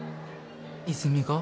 泉が？